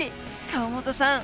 河本さん